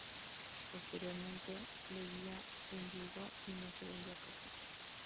Posteriormente, Leguía enviudó y no se volvió a casar.